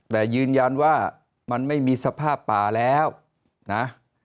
แต่ยืนยันว่ามันไม่มีสภาพป่าแล้วนะ